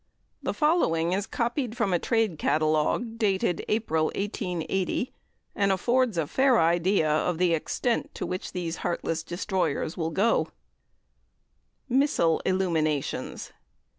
The following is copied from a trade catalogue, dated April, 1880, and affords a fair idea of the extent to which these heartless destroyers will go: "MISSAL ILLUMINATIONS.